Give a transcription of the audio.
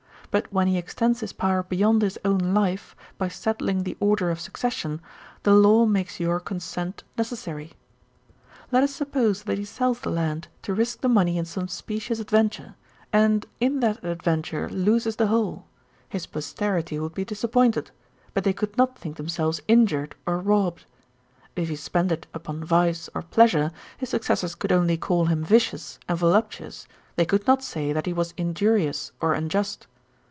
But when he extends his power beyond his own life, by settling the order of succession, the law makes your consent necessary. 'Let us suppose that he sells the land to risk the money in some specious adventure, and in that adventure loses the whole; his posterity would be disappointed; but they could not think themselves injured or robbed. If he spent it upon vice or pleasure, his successors could only call him vicious and voluptuous; they could not say that he was injurious or unjust.